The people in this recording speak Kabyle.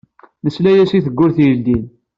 Nesla-yas i tewwurt i yeldin.